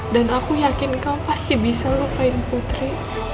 dan aku yakin kau pasti bisa lupain putri